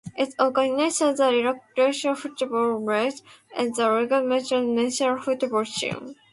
It organises the Luxembourg Football League and the Luxembourg national football team.